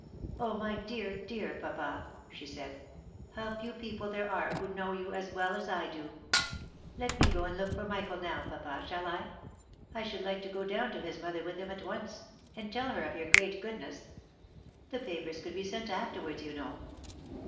" Oh ! my dear, dear papa !" she said, " how few people there are who know you as well as I do ! Let me go and look for Michael now, papa, shall I ? I should like to go down to his mother with him at once, and tell her of your great good ness. The papers could be sent afterwards, you know."